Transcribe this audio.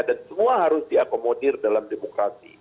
dan semua harus diakomodir dalam demokrasi